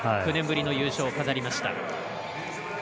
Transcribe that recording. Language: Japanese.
９年ぶりの優勝を飾りました。